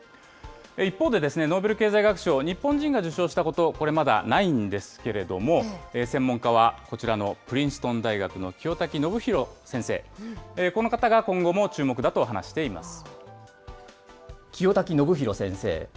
一方でですね、ノーベル経済学賞、日本人が受賞したこと、これ、まだないんですけれども、専門家はこちらのプリンストン大学の清滝信宏先生、この方が今後も注目だと話しています。